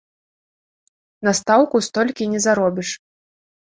На стаўку столькі не заробіш!